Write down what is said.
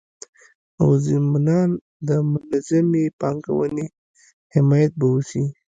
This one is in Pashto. او ضمنان د منظمي پانګوني حمایت به وسي